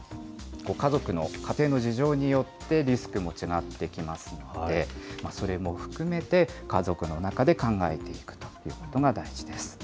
家族の、ご家庭の事情によってリスクも違ってきますので、それも含めて、家族の中で考えていくということが大事です。